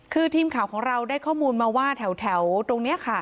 คือทีมข่าวของเราได้ข้อมูลมาว่าแถวตรงนี้ค่ะ